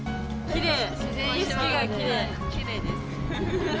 きれいです。